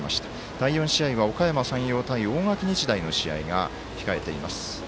第４試合は、おかやま山陽対大垣日大の試合が控えています。